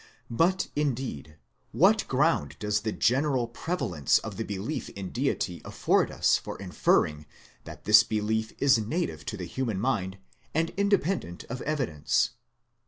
But, indeed, what ground does the general pre valence of the belief in Deity afford us for inferring that this belief is native to the human mind, and independent of evidence